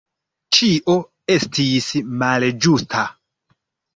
Ĉio estis malĝusta.